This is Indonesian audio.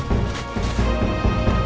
ya siap waited nousa